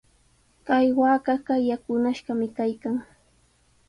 Kay waakaqa yakunashqami kaykan.